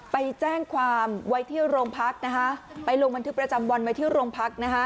ไปแจ้งความไว้ที่โรงพักนะคะไปลงบันทึกประจำวันไว้ที่โรงพักนะคะ